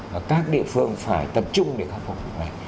và các địa phương phải tập trung để khắc phục việc này